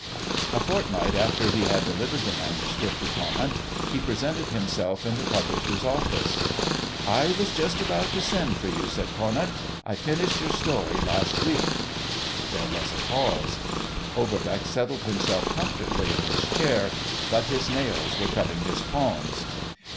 A fortnight after he had delivered the manuscript to Conant he presented himself in the publisher's office. "I was just about to send for you," said Conant. "I finished your story last week." There was a pause. Overbeck settled himself comfortably in his chair, but his nails were cutting his palms.